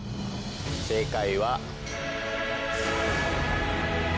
正解は。